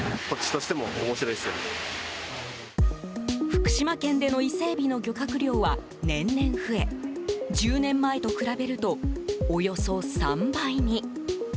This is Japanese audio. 福島県でのイセエビの漁獲量は年々増え１０年前と比べるとおよそ３倍に。